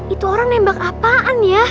itu orang nembak apaan ya